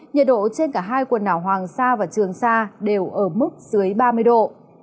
nhiệt độ trên cả hai quần đảo hoàng sa và trường sa đều ở mức dưới ba mươi độ